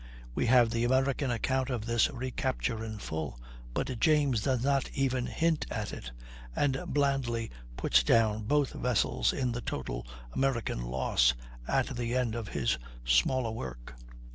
We have the American account of this recapture in full, but James does not even hint at it, and blandly puts down both vessels in the total "American loss" at the end of his smaller work.